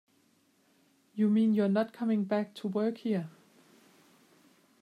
You mean you're not coming back to work here?